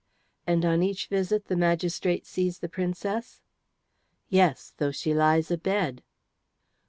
"And on each visit the magistrate sees the Princess?" "Yes, though she lies abed."